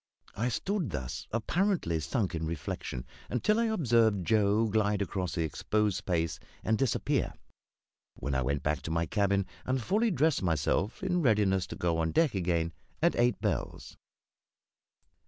I stood thus, apparently sunk in reflection, until I observed Joe glide across the exposed space and disappear; when I went back to my cabin and fully dressed myself, in readiness to go on deck again at eight bells.